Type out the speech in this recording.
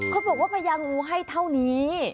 เขาบอกว่าพญางูให้เท่านี้